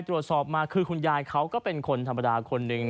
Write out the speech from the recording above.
ตรวจสอบมาคือคุณยายเขาก็เป็นคนธรรมดาคนหนึ่ง